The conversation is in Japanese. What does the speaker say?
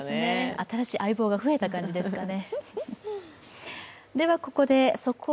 新しい相棒が増えた感じですかね。